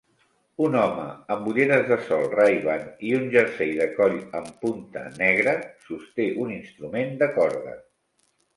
Un home amb ulleres de sol RayBan i un jersei de coll en punta negre sosté un instrument de corda.